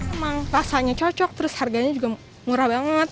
emang rasanya cocok terus harganya juga murah banget